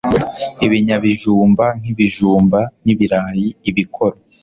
Ibinyabijumba nk' Ibijumba n' ibirayi, ibikoro